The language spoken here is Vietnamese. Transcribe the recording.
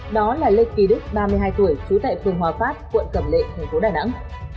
đó là lê kỳ đức ba mươi hai tuổi trú tại phường hòa phát quận cẩm lệ thành phố đà nẵng